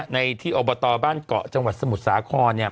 ในที่อบตบ้านเกาะจังหวัดสมุทรสาครเนี่ย